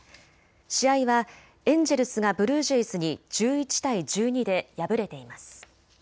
試合はエンジェルスがブルージェイズに１１対１２で敗れています。